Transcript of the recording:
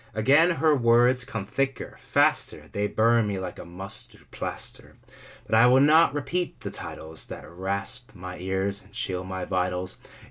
Again her words come thicker, faster, They burn me like a mustard plaster. But I will not repeat the titles That rasp my ears and chill my vitals.